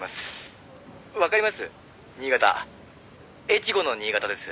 越後の新潟です」